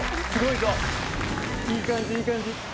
いい感じいい感じ。